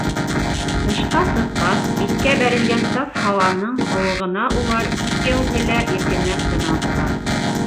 Тышҡа сыҡҡас, биткә бәрелгән саф һауаның һыуығына улар икәүһе лә иркенләп тын алдылар.